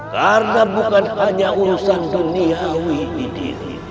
karena bukan hanya urusan duniawi ini